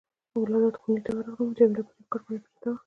ولادت خونې ته ورغلم، جميله پر یو کټ باندې پرته وه.